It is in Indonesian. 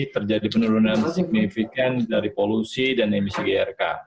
terjadi penurunan signifikan dari polusi dan emisi grk